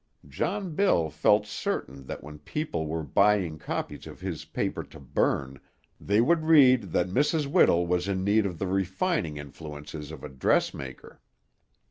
John Bill felt certain that when the people were buying copies of his paper to burn, they would read that Mrs. Whittle was in need of the refining influences of a dress maker.